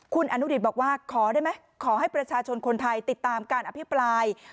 คุณอนุดิตบอกว่าขอได้ไหมขอให้ประชาชนคนไทยติดตามการอภิปราย